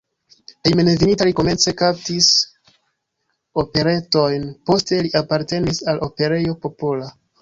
Hejmenveninta li komence kantis operetojn, poste li apartenis al Operejo Popola.